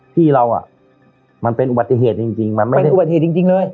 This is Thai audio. พี่เราอ่ะมันเป็นอุบัติเหตุจริงมันเป็นอุบัติเหตุจริงเลย